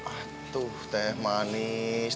atuh teh manis